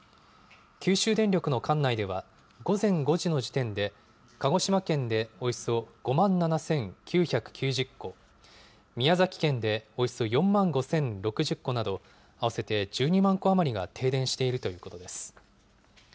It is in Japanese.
九州電力の管内では、午前５時の時点で、鹿児島県でおよそ５万７９９０戸、宮崎県でおよそ４万５０６０戸など、合わせて１２万戸余りが停電しているということです。